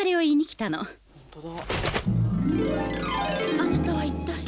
あなたは一体。